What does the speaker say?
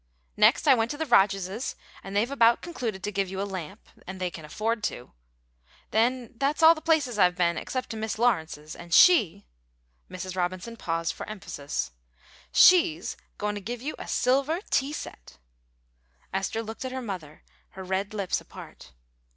"Next I went to the Rogerses, and they've about concluded to give you a lamp; and they can afford to. Then that's all the places I've been, except to Mis' Lawrence's, and she" Mrs. Robinson paused for emphasis "she's goin' to give you a silver tea set!" Esther looked at her mother, her red lips apart.